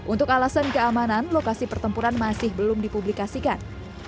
untuk alasan keamanan lokasi pertempuran masih belum dipublikasikan